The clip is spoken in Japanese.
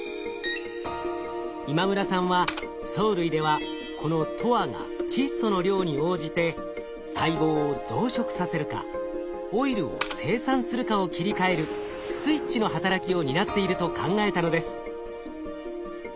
今村さんは藻類ではこのＴＯＲが窒素の量に応じて細胞を増殖させるかオイルを生産するかを切り替えるスイッチの働きを担っていると考えたのです。